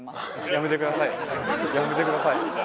やめてください。